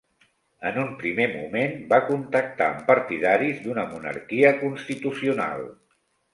En un primer moment va contactar amb partidaris d'una monarquia constitucional.